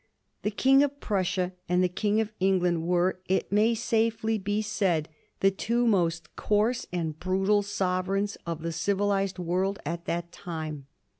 The King of Prussia and the King of England were, it may safely be said, the two most coarse and brutal sovereigns of the civilized world at the time.